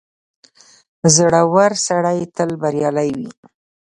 • زړور سړی تل بریالی وي.